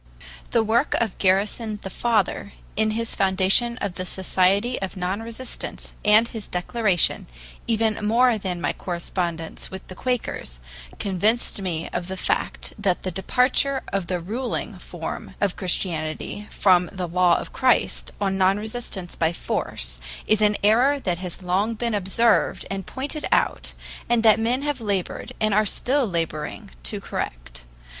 The work of Garrison, the father, in his foundation of the Society of Non resistants and his Declaration, even more than my correspondence with the Quakers, convinced me of the fact that the departure of the ruling form of Christianity from the law of Christ on non resistance by force is an error that has long been observed and pointed out, and that men have labored, and are still laboring, to correct.